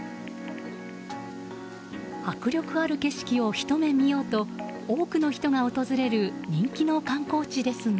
迫力ある景色をひと目見ようと多くの人が訪れる人気の観光地ですが。